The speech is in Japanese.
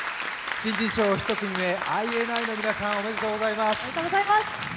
新人賞１組目、ＩＮＩの皆さん、おめでとうございます。